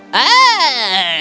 putri vasilisa akan menikah